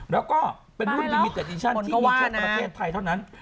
แล้วก็เป็นรุ่นบีมิเต็ดอีชันที่มีแค่ประเทศไทยเท่านั้น